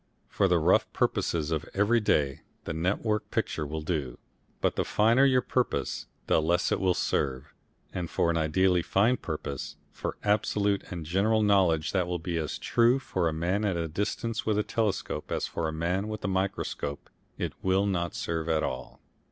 For the rough purposes of every day the net work picture will do, but the finer your purpose the less it will serve, and for an ideally fine purpose, for absolute and general knowledge that will be as true for a man at a distance with a telescope as for a man with a microscope it will not serve at all.